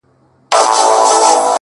• نه ـنه محبوبي زما ـ